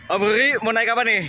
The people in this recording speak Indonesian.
om budi mau naik apa nih